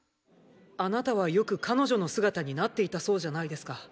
あなたはよく彼女の姿になっていたそうじゃないですか。